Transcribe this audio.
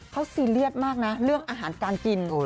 เขาซีเรียสมากนะเรื่องอาหารการกิน